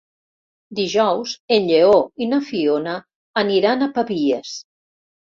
Dijous en Lleó i na Fiona aniran a Pavies.